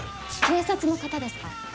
警察の方ですか？